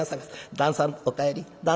「旦さんおかえり」。